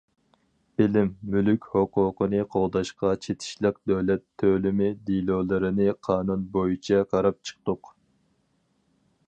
بىلىم مۈلۈك ھوقۇقىنى قوغداشقا چېتىشلىق دۆلەت تۆلىمى دېلولىرىنى قانۇن بويىچە قاراپ چىقتۇق.